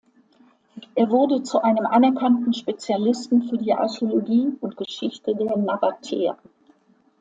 Er wurde zu einem anerkannten Spezialisten für die Archäologie und Geschichte der Nabatäer.